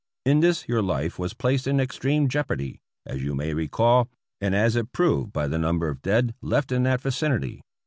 In this your life was placed in extreme jeopardy, as you may recall, and as it proved by the number of dead left in that vicinity.